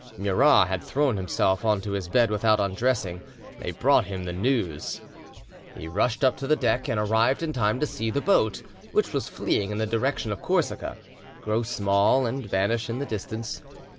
Murat had thrown himself on to his bed without undressing; they brought him the news. He rushed up to the deck, and arrived in time to see the boat, which was fleeing in the direction of Corsica, grow small and vanish in the distance.